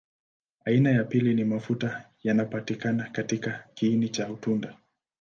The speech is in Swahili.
Aina ya pili ni mafuta yanapatikana katika kiini cha tunda.